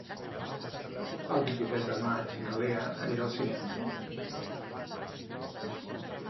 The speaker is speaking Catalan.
El vint-i-tres de maig na Lea anirà al cinema.